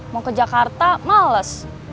mau ke jakarta males